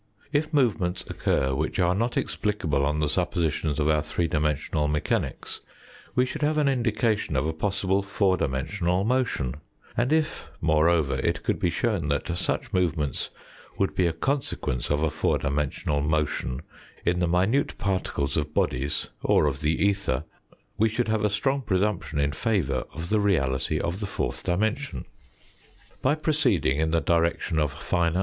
If movements occur which are not explicable on the sup positions of our three dimensional mechanics, we should have an indication of a possible four dimensional motion, and if, moreover, it could be shown that such movements would be a consequence of a four dimensional motion in the minute particles of bodies or of the el her, we should have a strong presumption in favour of the reality of the fourth dimension. By proceeding in the direction of finer r.